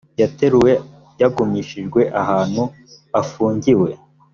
yateruwe yagumishijwe ahantu afungiwe